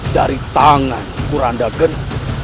dari tangan kuranda geno